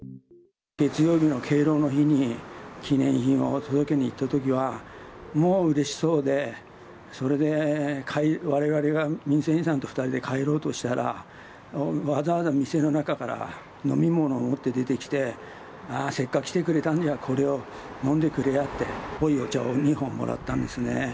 月曜日の敬老の日に記念品を届けに行ったときは、もううれしそうで、それで、われわれが民生委員さんと一緒に帰ろうとしたら、わざわざ店の中から飲み物持って出てきて、せっかく来てくれたんじゃ、これを飲んでくれやって濃いお茶を２本もらったんですね。